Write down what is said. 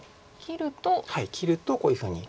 切るとこういうふうに。